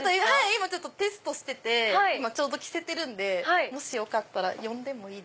今テストしてて着せてるんでよかったら呼んでもいいですか？